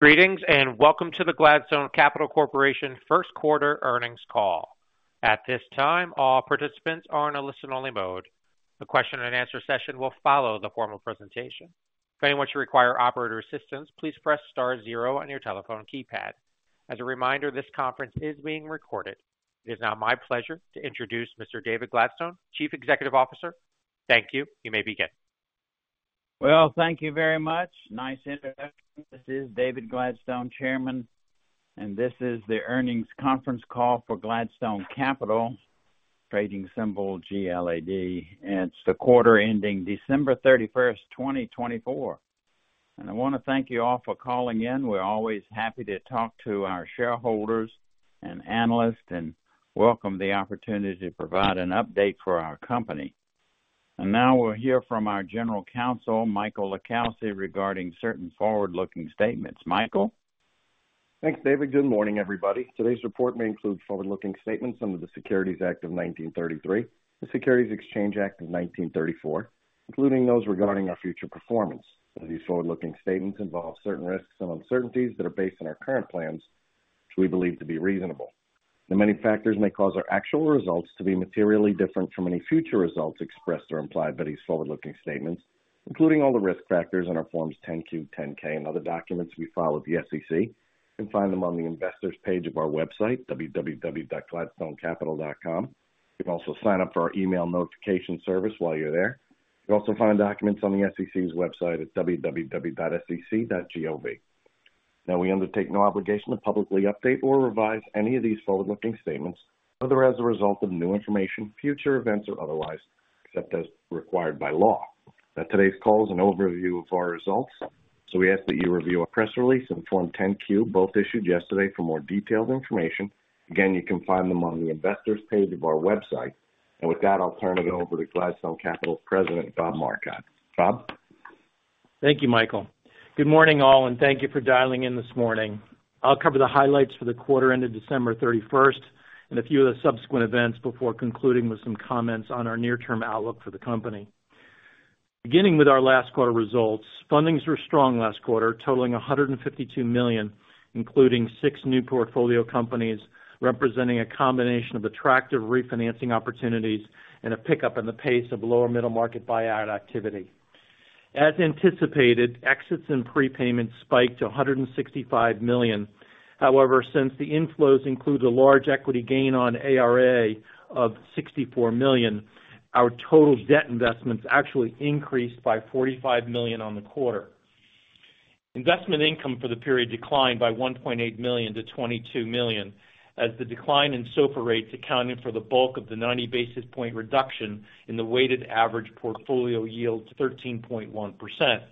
Greetings and welcome to the Gladstone Capital Corporation first quarter earnings call. At this time, all participants are in a listen-only mode. The question-and-answer session will follow the formal presentation. If anyone should require operator assistance, please press star zero on your telephone keypad. As a reminder, this conference is being recorded. It is now my pleasure to introduce Mr. David Gladstone, Chief Executive Officer. Thank you. You may begin. Thank you very much. Nice introduction. This is David Gladstone, Chairman, and this is the earnings conference call for Gladstone Capital, trading symbol GLAD. It's the quarter ending December 31st, 2024. I want to thank you all for calling in. We're always happy to talk to our shareholders and analysts and welcome the opportunity to provide an update for our company. Now we'll hear from our General Counsel, Michael LiCalsi, regarding certain forward-looking statements. Michael? Thanks, David. Good morning, everybody. Today's report may include forward-looking statements under the Securities Act of 1933, the Securities Exchange Act of 1934, including those regarding our future performance. These forward-looking statements involve certain risks and uncertainties that are based on our current plans, which we believe to be reasonable. The many factors may cause our actual results to be materially different from any future results expressed or implied by these forward-looking statements, including all the risk factors in our Forms 10-Q, 10-K, and other documents we file with the SEC. You can find them on the investors' page of our website, www.gladstonecapital.com. You can also sign up for our email notification service while you're there. You can also find documents on the SEC's website at www.sec.gov. Now, we undertake no obligation to publicly update or revise any of these forward-looking statements other than as a result of new information, future events, or otherwise, except as required by law. Now, today's call is an overview of our results, so we ask that you review our press release and Form 10-Q, both issued yesterday, for more detailed information. Again, you can find them on the investors' page of our website. And with that, I'll turn it over to Gladstone Capital's President, Bob Marcotte. Bob? Thank you, Michael. Good morning, all, and thank you for dialing in this morning. I'll cover the highlights for the quarter ended December 31st and a few of the subsequent events before concluding with some comments on our near-term outlook for the company. Beginning with our last quarter results, fundings were strong last quarter, totaling $152 million, including six new portfolio companies representing a combination of attractive refinancing opportunities and a pickup in the pace of lower middle market buyout activity. As anticipated, exits and prepayments spiked to $165 million. However, since the inflows include a large equity gain on ARA of $64 million, our total debt investments actually increased by $45 million on the quarter. Investment income for the period declined by $1.8 million to $22 million, as the decline in SOFR rates accounted for the bulk of the 90 basis point reduction in the weighted average portfolio yield to 13.1%.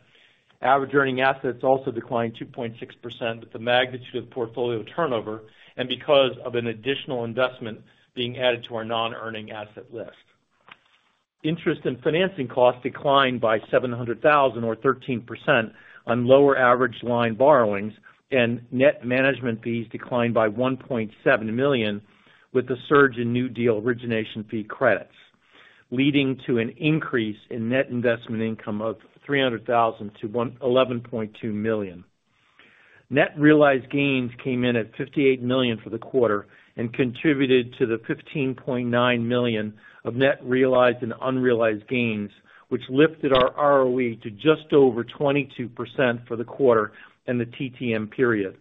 Average earning assets also declined 2.6% with the magnitude of portfolio turnover and because of an additional investment being added to our non-earning asset list. Interest and financing costs declined by $700,000 or 13% on lower average line borrowings, and net management fees declined by $1.7 million with the surge in new deal origination fee credits, leading to an increase in net investment income of $300,000 to $11.2 million. Net realized gains came in at $58 million for the quarter and contributed to the $15.9 million of net realized and unrealized gains, which lifted our ROE to just over 22% for the quarter and the TTM period.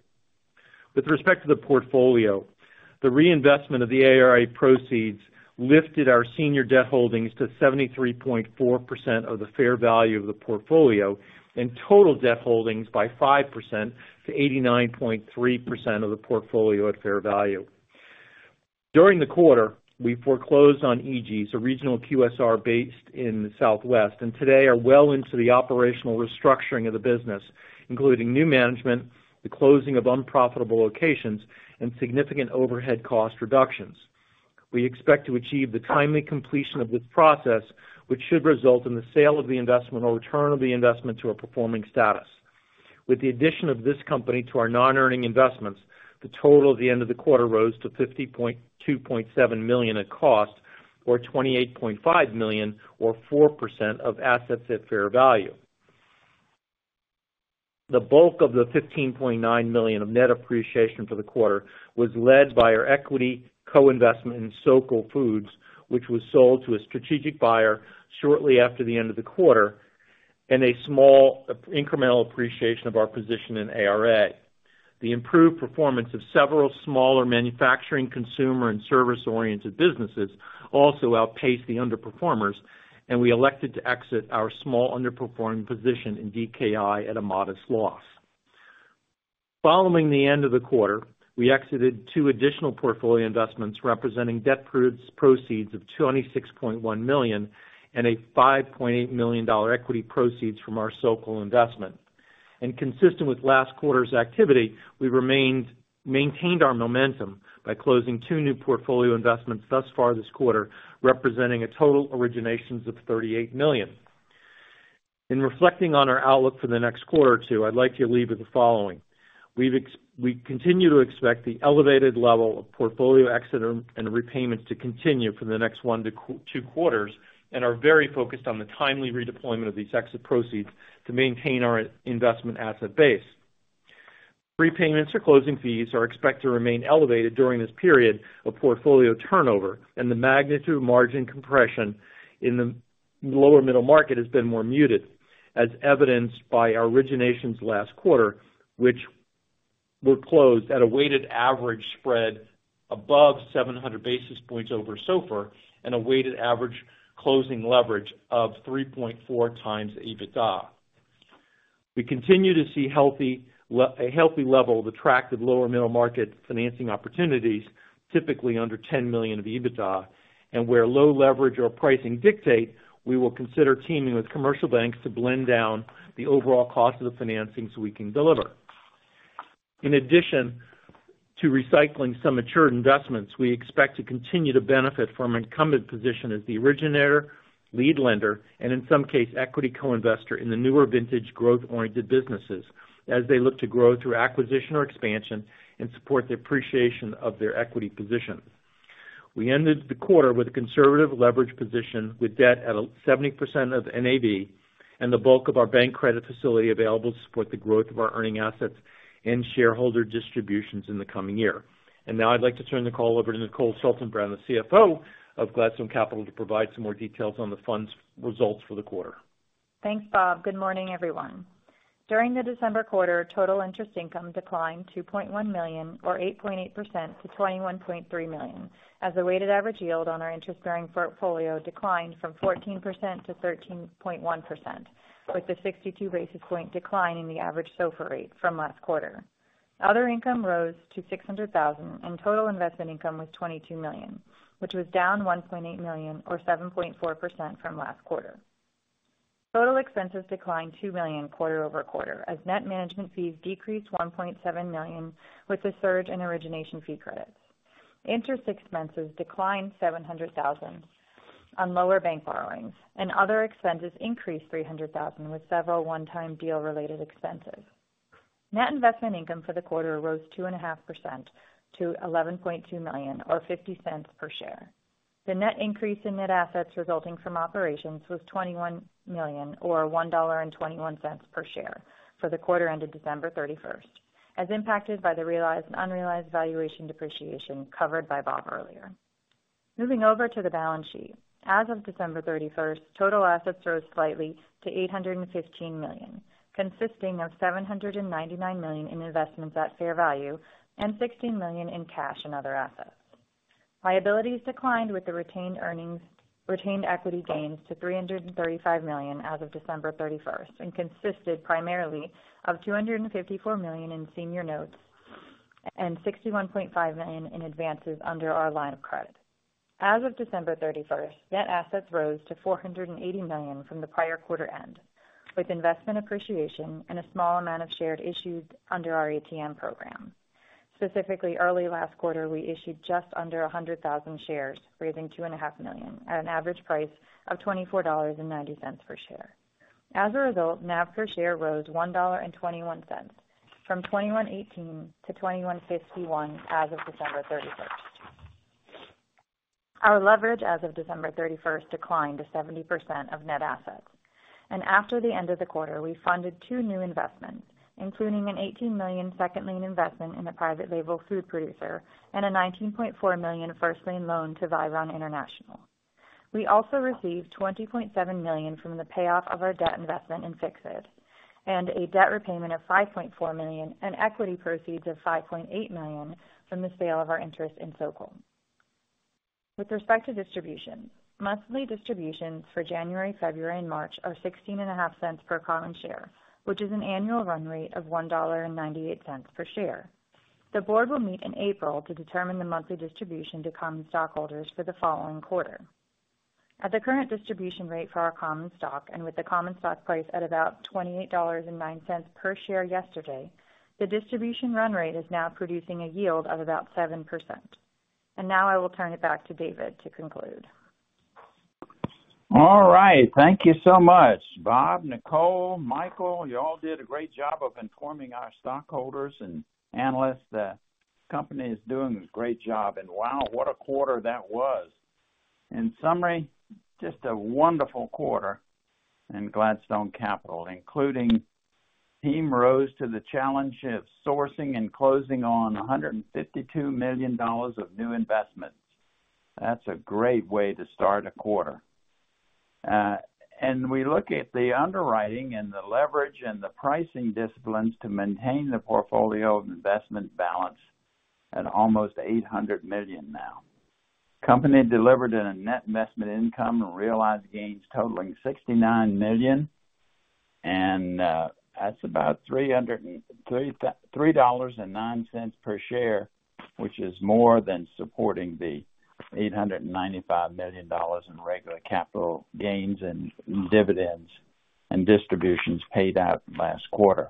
With respect to the portfolio, the reinvestment of the ARA proceeds lifted our senior debt holdings to 73.4% of the fair value of the portfolio and total debt holdings by 5% to 89.3% of the portfolio at fair value. During the quarter, we foreclosed on Eegee's a regional QSR based in the Southwest, and today are well into the operational restructuring of the business, including new management, the closing of unprofitable locations, and significant overhead cost reductions. We expect to achieve the timely completion of this process, which should result in the sale of the investment or return of the investment to a performing status. With the addition of this company to our non-earning investments, the total at the end of the quarter rose to $52.7 million at cost, or $28.5 million, or 4% of assets at fair value. The bulk of the $15.9 million of net appreciation for the quarter was led by our equity co-investment in Sokol Foods, which was sold to a strategic buyer shortly after the end of the quarter, and a small incremental appreciation of our position in ARA. The improved performance of several smaller manufacturing, consumer, and service-oriented businesses also outpaced the underperformers, and we elected to exit our small underperforming position in DKI at a modest loss. Following the end of the quarter, we exited two additional portfolio investments representing debt proceeds of $26.1 million and a $5.8 million equity proceeds from our Sokol investment, and consistent with last quarter's activity, we maintained our momentum by closing two new portfolio investments thus far this quarter, representing a total originations of $38 million. In reflecting on our outlook for the next quarter or two, I'd like to leave with the following. We continue to expect the elevated level of portfolio exit and repayments to continue for the next one to two quarters and are very focused on the timely redeployment of these exit proceeds to maintain our investment asset base. Repayments or closing fees are expected to remain elevated during this period of portfolio turnover, and the magnitude of margin compression in the lower middle market has been more muted, as evidenced by our originations last quarter, which were closed at a weighted average spread above 700 basis points over SOFR and a weighted average closing leverage of 3.4 times EBITDA. We continue to see a healthy level of attractive lower middle market financing opportunities, typically under $10 million of EBITDA, and where low leverage or pricing dictate, we will consider teaming with commercial banks to blend down the overall cost of the financing so we can deliver. In addition to recycling some matured investments, we expect to continue to benefit from an incumbent position as the originator, lead lender, and in some case, equity co-investor in the newer vintage growth-oriented businesses, as they look to grow through acquisition or expansion and support the appreciation of their equity position. We ended the quarter with a conservative leverage position with debt at 70% of NAV and the bulk of our bank credit facility available to support the growth of our earning assets and shareholder distributions in the coming year, and now I'd like to turn the call over to Nicole Schaltenbrand, the CFO of Gladstone Capital, to provide some more details on the funds' results for the quarter. Thanks, Bob. Good morning, everyone. During the December quarter, total interest income declined $2.1 million, or 8.8%, to $21.3 million, as the weighted average yield on our interest-bearing portfolio declined from 14% to 13.1%, with a 62 basis point decline in the average SOFR rate from last quarter. Other income rose to $600,000, and total investment income was $22 million, which was down $1.8 million, or 7.4%, from last quarter. Total expenses declined $2 million quarter over quarter, as net management fees decreased $1.7 million, with a surge in origination fee credits. Interest expenses declined $700,000 on lower bank borrowings, and other expenses increased $300,000 with several one-time deal-related expenses. Net investment income for the quarter rose 2.5% to $11.2 million, or $0.50 per share. The net increase in net assets resulting from operations was $21 million, or $1.21 per share for the quarter ended December 31st, as impacted by the realized and unrealized valuation depreciation covered by Bob earlier. Moving over to the balance sheet, as of December 31st, total assets rose slightly to $815 million, consisting of $799 million in investments at fair value and $16 million in cash and other assets. Liabilities declined with the retained equity gains to $335 million as of December 31st and consisted primarily of $254 million in senior notes and $61.5 million in advances under our line of credit. As of December 31st, net assets rose to $480 million from the prior quarter end, with investment appreciation and a small amount of shares issued under our ATM program. Specifically, early last quarter, we issued just under 100,000 shares, raising $2.5 million at an average price of $24.90 per share. As a result, NAV per share rose $1.21 from $2,118 to $2,151 as of December 31st. Our leverage as of December 31st declined to 70% of net assets, and after the end of the quarter, we funded two new investments, including an $18 million second lien investment in a private label food producer and a $19.4 million first lien loan to Viron International. We also received $20.7 million from the payoff of our debt investment in Fix-It and a debt repayment of $5.4 million and equity proceeds of $5.8 million from the sale of our interest in Sokol. With respect to distributions, monthly distributions for January, February, and March are $16.50 per common share, which is an annual run rate of $1.98 per share. The board will meet in April to determine the monthly distribution to common stockholders for the following quarter. At the current distribution rate for our common stock and with the common stock price at about $28.09 per share yesterday, the distribution run rate is now producing a yield of about 7%. Now I will turn it back to David to conclude. All right. Thank you so much, Bob, Nicole, Michael. You all did a great job of informing our stockholders and analysts. The company is doing a great job, and wow, what a quarter that was. In summary, just a wonderful quarter in Gladstone Capital, including the team rose to the challenge of sourcing and closing on $152 million of new investments. That's a great way to start a quarter, and we look at the underwriting and the leverage and the pricing disciplines to maintain the portfolio investment balance at almost $800 million now. The company delivered on net investment income and realized gains totaling $69 million, and that's about $3.09 per share, which is more than supporting the $895 million in regular capital gains and dividends and distributions paid out last quarter.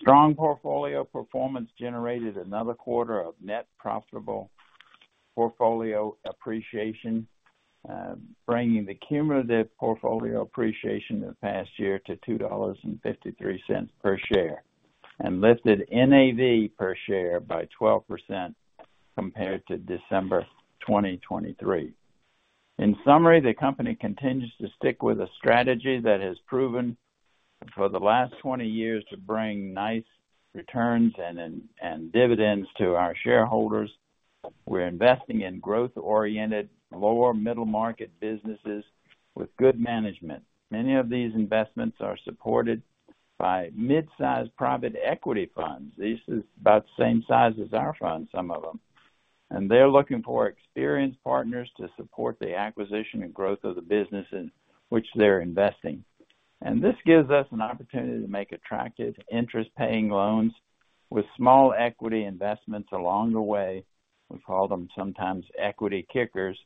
Strong portfolio performance generated another quarter of net profitable portfolio appreciation, bringing the cumulative portfolio appreciation in the past year to $2.53 per share and lifted NAV per share by 12% compared to December 2023. In summary, the company continues to stick with a strategy that has proven for the last 20 years to bring nice returns and dividends to our shareholders. We're investing in growth-oriented, lower middle market businesses with good management. Many of these investments are supported by mid-sized private equity funds. This is about the same size as our funds, some of them. They're looking for experienced partners to support the acquisition and growth of the business in which they're investing. This gives us an opportunity to make attractive interest-paying loans with small equity investments along the way. We call them sometimes equity kickers.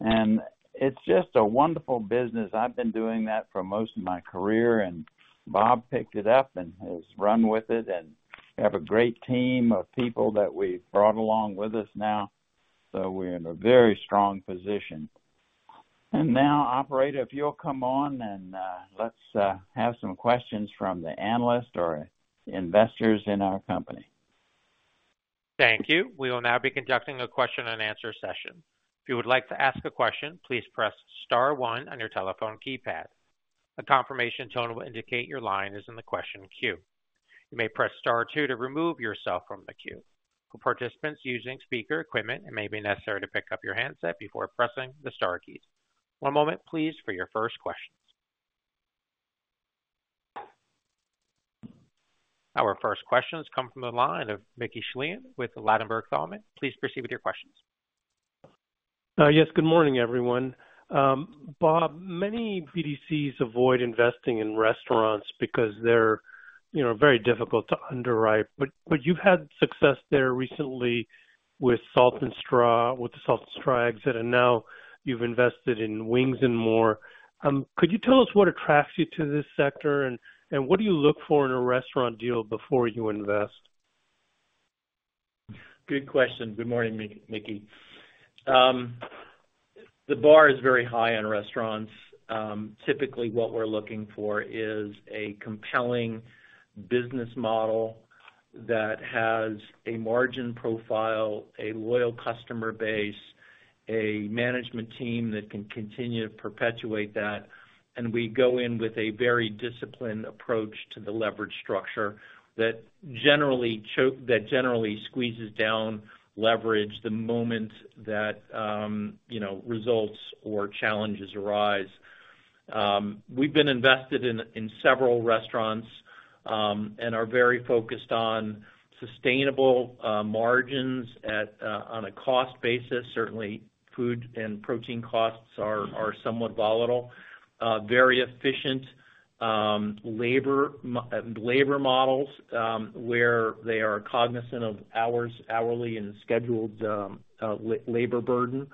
It's just a wonderful business. I've been doing that for most of my career, and Bob picked it up and has run with it. And we have a great team of people that we've brought along with us now, so we're in a very strong position. And now, Operator, if you'll come on and let's have some questions from the analysts or investors in our company. Thank you. We will now be conducting a question-and-answer session. If you would like to ask a question, please press Star 1 on your telephone keypad. A confirmation tone will indicate your line is in the question queue. You may press Star 2 to remove yourself from the queue. For participants using speaker equipment, it may be necessary to pick up your handset before pressing the Star keys. One moment, please, for your first questions. Our first questions come from the line of Mickey Schleien with Ladenburg Thalmann. Please proceed with your questions. Yes, good morning, everyone. Bob, many BDCs avoid investing in restaurants because they're very difficult to underwrite. But you've had success there recently with Salt & Straw, with the Salt & Straw exit, and now you've invested in Wings 'N More. Could you tell us what attracts you to this sector, and what do you look for in a restaurant deal before you invest? Good question. Good morning, Mickey. The bar is very high on restaurants. Typically, what we're looking for is a compelling business model that has a margin profile, a loyal customer base, a management team that can continue to perpetuate that. And we go in with a very disciplined approach to the leverage structure that generally squeezes down leverage the moment that results or challenges arise. We've been invested in several restaurants and are very focused on sustainable margins on a cost basis. Certainly, food and protein costs are somewhat volatile. Very efficient labor models where they are cognizant of hours hourly and scheduled labor burden.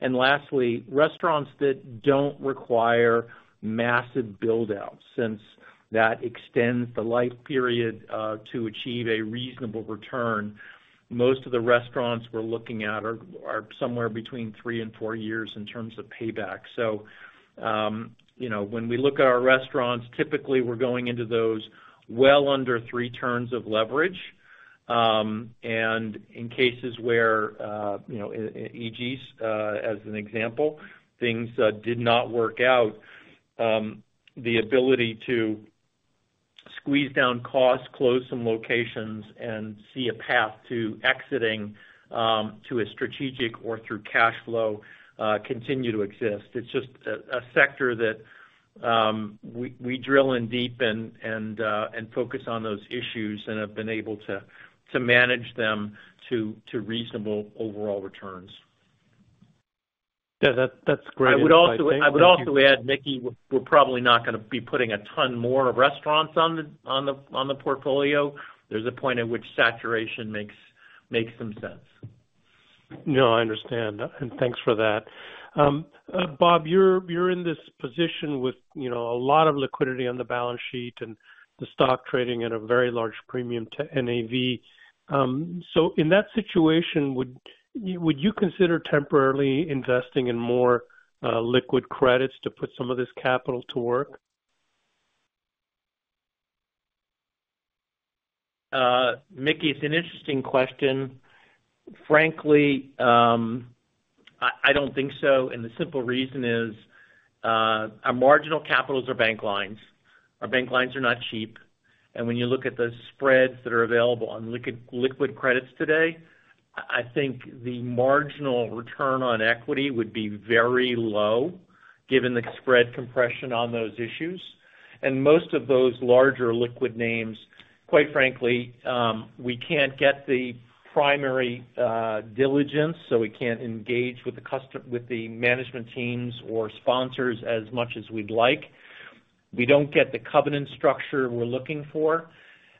And lastly, restaurants that don't require massive build-outs since that extends the life period to achieve a reasonable return. Most of the restaurants we're looking at are somewhere between three and four years in terms of payback. So when we look at our restaurants, typically, we're going into those well under three turns of leverage. And in cases where Eegee's as an example, things did not work out, the ability to squeeze down costs, close some locations, and see a path to exiting to a strategic or through cash flow continues to exist. It's just a sector that we drill and deepen and focus on those issues and have been able to manage them to reasonable overall returns. Yeah, that's great. I would also add, Mickey, we're probably not going to be putting a ton more of restaurants on the portfolio. There's a point at which saturation makes some sense. No, I understand. And thanks for that. Bob, you're in this position with a lot of liquidity on the balance sheet and the stock trading at a very large premium to NAV. So in that situation, would you consider temporarily investing in more liquid credits to put some of this capital to work? Mickey, it's an interesting question. Frankly, I don't think so. And the simple reason is our marginal capitals are bank lines. Our bank lines are not cheap. And when you look at the spreads that are available on liquid credits today, I think the marginal return on equity would be very low given the spread compression on those issues. And most of those larger liquid names, quite frankly, we can't get the primary diligence, so we can't engage with the management teams or sponsors as much as we'd like. We don't get the covenant structure we're looking for.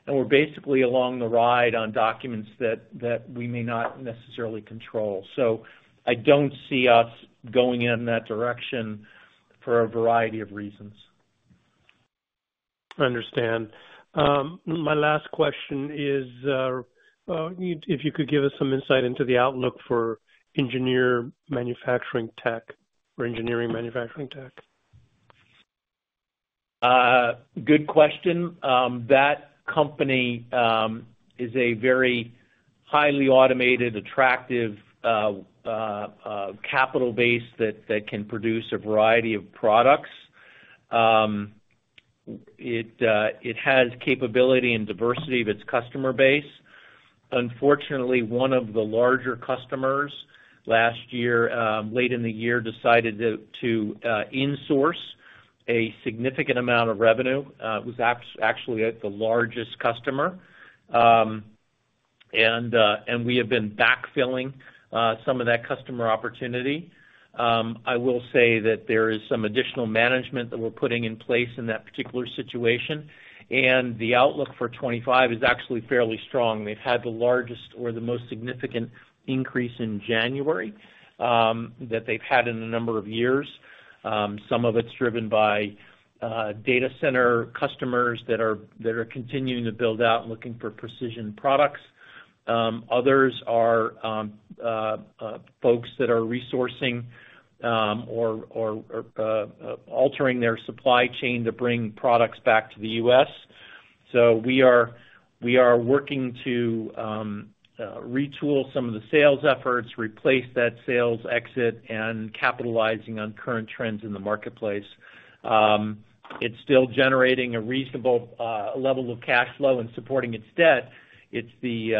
And we're basically along for the ride on documents that we may not necessarily control. So I don't see us going in that direction for a variety of reasons. I understand. My last question is if you could give us some insight into the outlook for Engineered Manufacturing & Technologies or Engineering Manufacturing Tech? Good question. That company is a very highly automated, attractive capital base that can produce a variety of products. It has capability and diversity of its customer base. Unfortunately, one of the larger customers last year, late in the year, decided to insource a significant amount of revenue. It was actually the largest customer, and we have been backfilling some of that customer opportunity. I will say that there is some additional management that we're putting in place in that particular situation, and the outlook for 2025 is actually fairly strong. They've had the largest or the most significant increase in January that they've had in a number of years. Some of it's driven by data center customers that are continuing to build out and looking for precision products. Others are folks that are resourcing or altering their supply chain to bring products back to the U.S. So we are working to retool some of the sales efforts, replace that sales exit, and capitalizing on current trends in the marketplace. It's still generating a reasonable level of cash flow and supporting its debt. It's the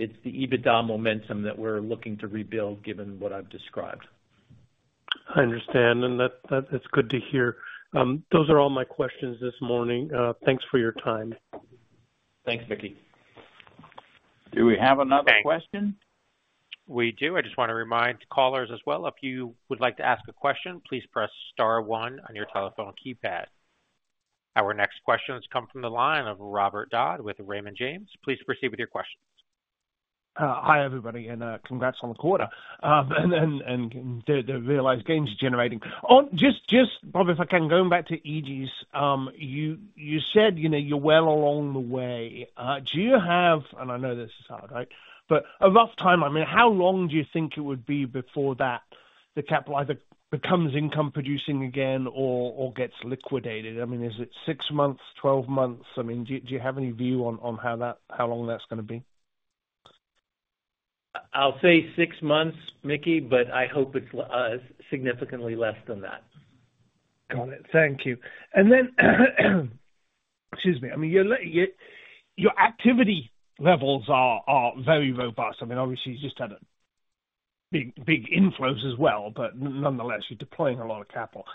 EBITDA momentum that we're looking to rebuild given what I've described. I understand, and that's good to hear. Those are all my questions this morning. Thanks for your time. Thanks, Mickey. Do we have another question? We do. I just want to remind callers as well. If you would like to ask a question, please press Star 1 on your telephone keypad. Our next questions come from the line of Robert Dodd with Raymond James. Please proceed with your questions. Hi, everybody, and congrats on the quarter and the realized gains generating. Just, Bob, if I can, going back to EGs, you said you're well along the way. Do you have, and I know this is hard, right, but rough timeline, I mean, how long do you think it would be before that the capital either becomes income-producing again or gets liquidated? I mean, is it six months, 12 months? I mean, do you have any view on how long that's going to be? I'll say six months, Mickey, but I hope it's significantly less than that. Got it. Thank you. And then, excuse me, I mean, your activity levels are very robust. I mean, obviously, you just had big inflows as well, but nonetheless, you're deploying a lot of capital.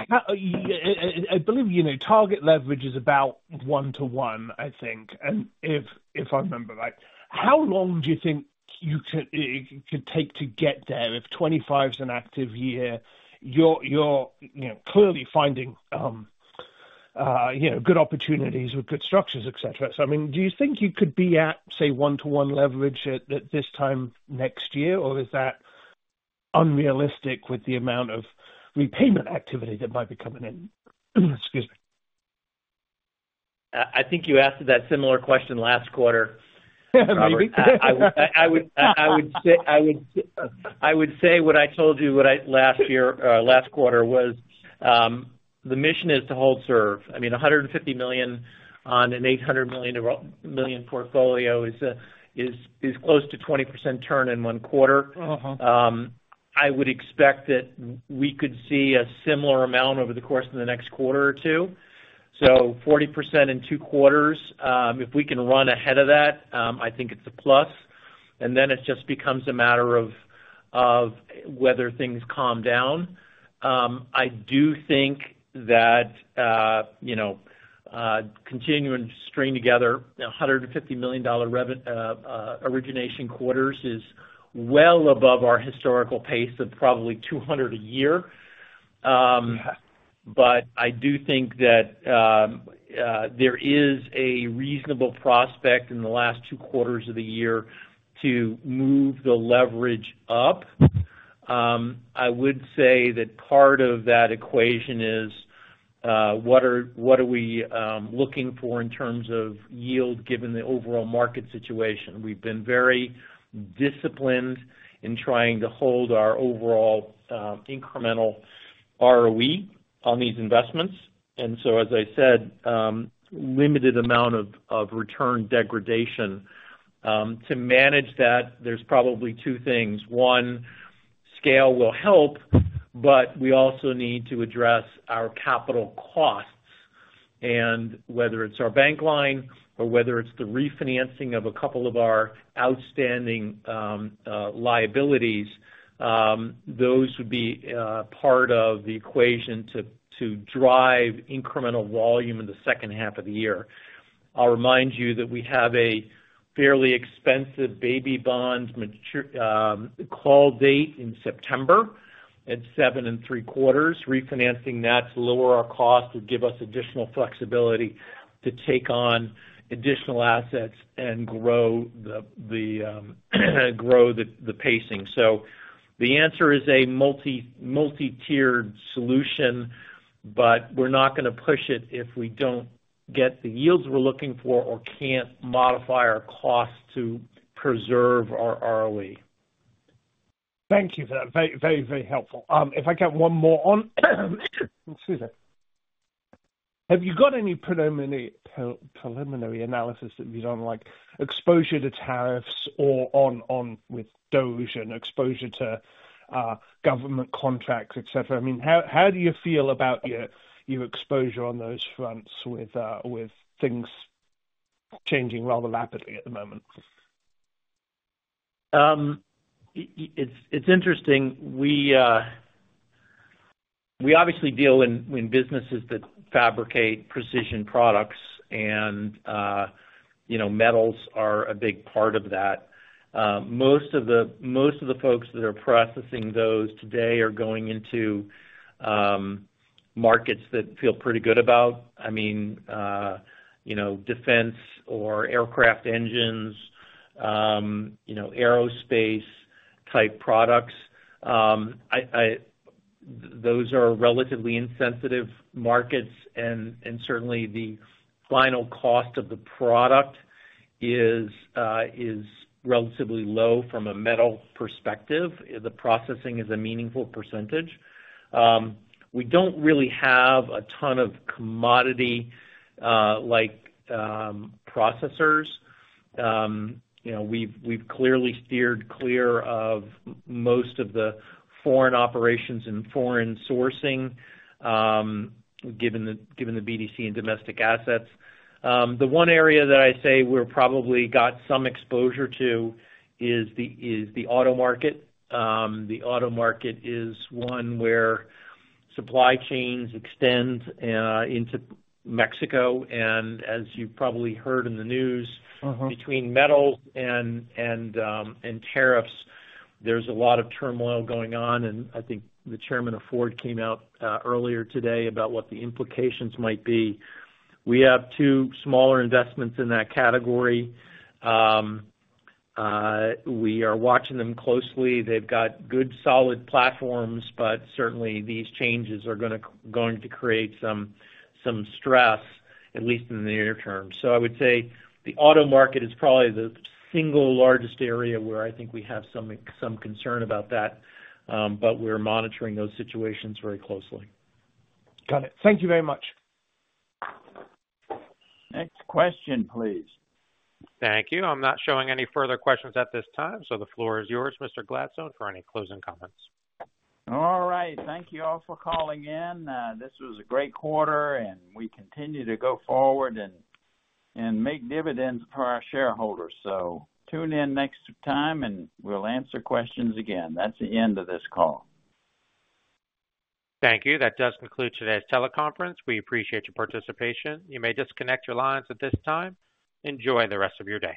I believe target leverage is about 1-1, I think, if I remember right. How long do you think it could take to get there if 2025 is an active year? You're clearly finding good opportunities with good structures, etc. So, I mean, do you think you could be at, say, 1-1 leverage at this time next year, or is that unrealistic with the amount of repayment activity that might be coming in? Excuse me. I think you asked that similar question last quarter. I would say what I told you last quarter was the mission is to hold serve. I mean, $150 million on an $800 million portfolio is close to 20% turn in one quarter. I would expect that we could see a similar amount over the course of the next quarter or two. So 40% in two quarters, if we can run ahead of that, I think it's a plus. And then it just becomes a matter of whether things calm down. I do think that continuing to string together $150 million origination quarters is well above our historical pace of probably $200 million a year. But I do think that there is a reasonable prospect in the last two quarters of the year to move the leverage up. I would say that part of that equation is what are we looking for in terms of yield given the overall market situation. We've been very disciplined in trying to hold our overall incremental ROE on these investments, and so, as I said, limited amount of return degradation. To manage that, there's probably two things. One, scale will help, but we also need to address our capital costs, and whether it's our bank line or whether it's the refinancing of a couple of our outstanding liabilities, those would be part of the equation to drive incremental volume in the second half of the year. I'll remind you that we have a fairly expensive baby bond call date in September at 7.75%. Refinancing that to lower our cost would give us additional flexibility to take on additional assets and grow the pacing. So the answer is a multi-tiered solution, but we're not going to push it if we don't get the yields we're looking for or can't modify our cost to preserve our ROE. Thank you for that. Very, very helpful. If I get one more on, excuse me, have you got any preliminary analysis that you don't like? Exposure to tariffs or with DOGE and exposure to government contracts, etc. I mean, how do you feel about your exposure on those fronts with things changing rather rapidly at the moment? It's interesting. We obviously deal in businesses that fabricate precision products, and metals are a big part of that. Most of the folks that are processing those today are going into markets that feel pretty good about. I mean, defense or aircraft engines, aerospace-type products, those are relatively insensitive markets. And certainly, the final cost of the product is relatively low from a metal perspective. The processing is a meaningful percentage. We don't really have a ton of commodity-like processors. We've clearly steered clear of most of the foreign operations and foreign sourcing given the BDC and domestic assets. The one area that I say we've probably got some exposure to is the auto market. The auto market is one where supply chains extend into Mexico. And as you've probably heard in the news, between metals and tariffs, there's a lot of turmoil going on. And I think the chairman of Ford came out earlier today about what the implications might be. We have two smaller investments in that category. We are watching them closely. They've got good solid platforms, but certainly, these changes are going to create some stress, at least in the near term. So I would say the auto market is probably the single largest area where I think we have some concern about that, but we're monitoring those situations very closely. Got it. Thank you very much. Next question, please. Thank you. I'm not showing any further questions at this time. So the floor is yours, Mr. Gladstone, for any closing comments. All right. Thank you all for calling in. This was a great quarter, and we continue to go forward and make dividends for our shareholders. Tune in next time, and we'll answer questions again. That's the end of this call. Thank you. That does conclude today's teleconference. We appreciate your participation. You may disconnect your lines at this time. Enjoy the rest of your day.